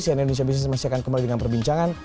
cnn indonesia business masih akan kembali dengan perbincangan